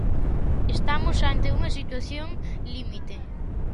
Estamos ante unha situación límite.